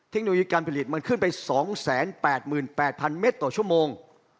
เทคโนโลยีการผลิตมันขึ้นไป๒๘๘๐๐เมตรต่อชั่วโมง